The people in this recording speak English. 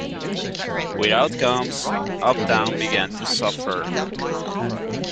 Without Combs, Uptown began to suffer.